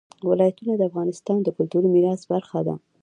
ولایتونه د افغانستان د کلتوري میراث برخه ده.